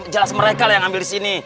jelas mereka lah yang ambil di sini